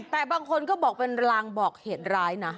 แต่บางคนก็บอกเป็นรางบอกเหตุร้ายนะ